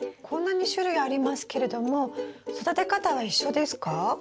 こんなに種類ありますけれども育て方は一緒ですか？